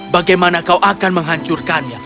bagaimana kau akan menghancurkannya